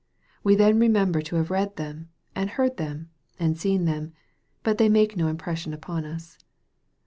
We then remem ber to have read them, and heard them, and seen them, but they made no impression upon us.